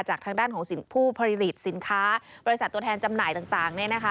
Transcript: จากทางด้านของผู้ผลิตสินค้าบริษัทตัวแทนจำหน่ายต่างเนี่ยนะคะ